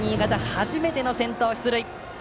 初めての先頭打者出塁。